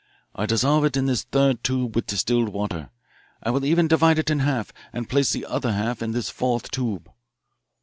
I dissolve it in this third tube with distilled water. I will even divide it in half, and place the other half in this fourth tube.